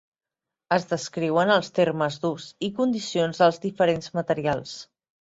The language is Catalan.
Es descriuen els termes d'ús i condicions dels diferents materials.